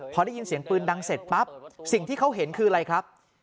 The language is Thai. พอได้ยินเสียงปืนดังเสร็จปั๊บสิ่งที่เขาเห็นคืออะไรครับ